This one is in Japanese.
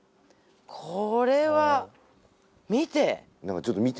これは見て！